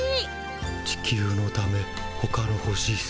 地球のためほかの星すて。